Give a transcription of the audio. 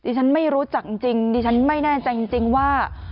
ฉันไม่รู้จักจริงดิฉันไม่แน่ใจจริงว่า